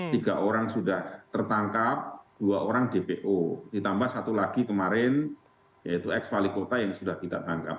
tiga orang sudah tertangkap dua orang dpo ditambah satu lagi kemarin yaitu ex wali kota yang sudah kita tangkap